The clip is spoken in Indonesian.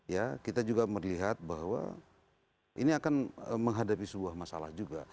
ya kita juga melihat bahwa ini akan menghadapi sebuah masalah juga